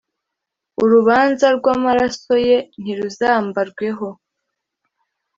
Urubanza rw’ amaraso ye ntiruzambarweho